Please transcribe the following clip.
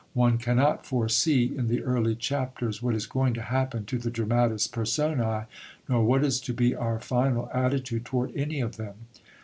One cannot foresee in the early chapters what is going to happen to the dramatis personæ, nor what is to be our final attitude toward any of them.